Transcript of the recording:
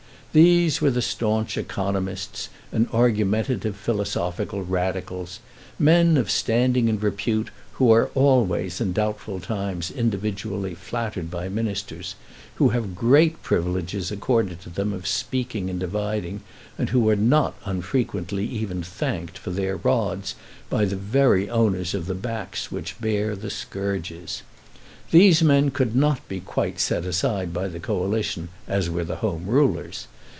These were the staunch economists, and argumentative philosophical Radicals, men of standing and repute, who are always in doubtful times individually flattered by Ministers, who have great privileges accorded to them of speaking and dividing, and who are not unfrequently even thanked for their rods by the very owners of the backs which bear the scourges. These men could not be quite set aside by the Coalition as were the Home Rulers.